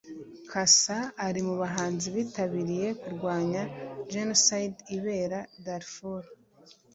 Cassa ari mu bahanzi bitabiriye kurwanya Genocide ibera Darfur